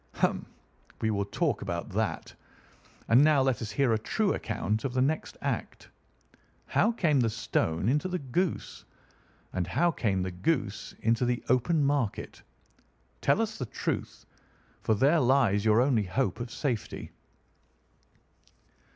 "Hum! We will talk about that. And now let us hear a true account of the next act. How came the stone into the goose, and how came the goose into the open market? Tell us the truth, for there lies your only hope of safety."